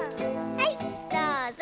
はいどうぞ。